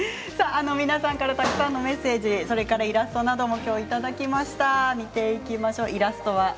皆さんからたくさんのメッセージイラストなども今日、いただきました。